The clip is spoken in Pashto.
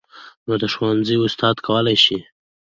نود ښځو استازي کولى شي.